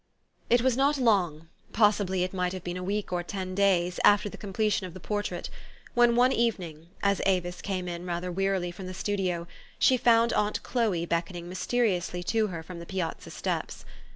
It was not long, possibly it might have been a week or ten days, after the completion of the por trait, when one evening, as Avis came in rather wearily from the studio, she found aunt Chloe beck oning mysteriously to her from the piazza steps.